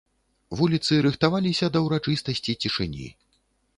Вуліцы рыхтаваліся да ўрачыстасці цішыні.